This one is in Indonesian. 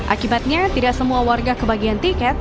akibatnya tidak semua warga kebagian tiket